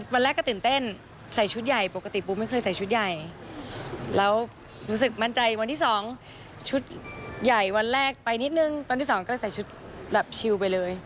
วันแรกก็ตื่นเต้นใส่ชุดใหญ่ปกติปูไม่เคยใส่ชุดใหญ่แล้วรู้สึกมั่นใจวันที่๒ชุดใหญ่วันแรกไปนิดนึงวันที่๒ก็ใส่ชุดแบบชิลไปเลย